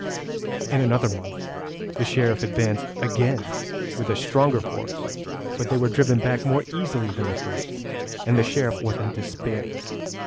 In another month the Sheriff advanced again with a stronger force, but they were driven back more easily than the first, and the Sheriff was in despair.